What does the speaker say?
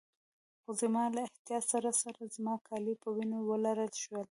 خو زما له احتیاط سره سره زما کالي په وینو ولړل شول.